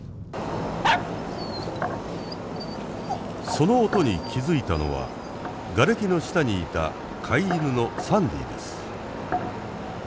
その音に気付いたのはがれきの下にいた飼い犬のサンディです。